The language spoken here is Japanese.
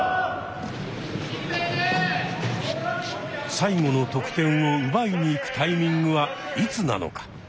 最後の得点を奪いに行くタイミングはいつなのか。